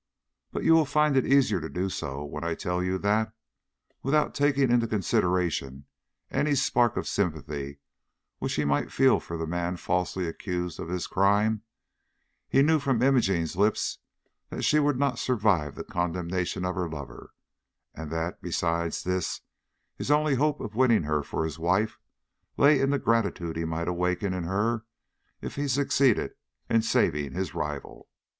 But you will find it easier to do so when I tell you that, without taking into consideration any spark of sympathy which he might feel for the man falsely accused of his crime, he knew from Imogene's lips that she would not survive the condemnation of her lover, and that, besides this, his only hope of winning her for his wife lay in the gratitude he might awaken in her if he succeeded in saving his rival."